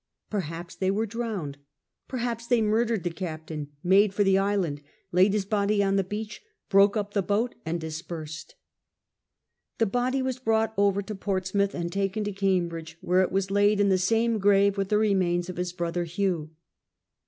Peibaps they were drowned. Perhaps they murdered the captain, made for the island, laid his body on the beach, broke up the boat, and dispersed. The body was brought over to Portsmouth and taken to Cambridge, where it was laid in the same grave with the remains of his brother Hugh.